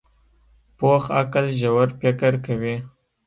پوخ عقل ژور فکر کوي